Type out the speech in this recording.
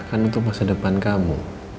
kan untuk masa depan kamu